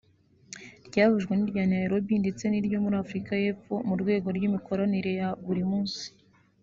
ryahujwe n’irya Nairobi ndetse n’iryo muri Afurika y’Epfo mu rwego rw`imikoranire ya buri munsi